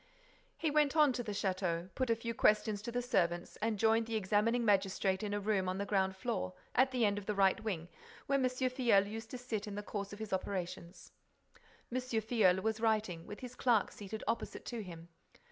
He went on to the château, put a few questions to the servants and joined the examining magistrate in a room on the ground floor, at the end of the right wing, where M. Filleul used to sit in the course of his operations. M. Filleul was writing, with his clerk seated opposite to him.